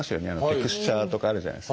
テクスチャーとかあるじゃないですか。